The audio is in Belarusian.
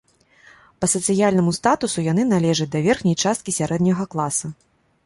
Па сацыяльнаму статусу яны належаць да верхняй часткі сярэдняга класа.